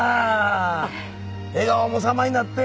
笑顔も様になって。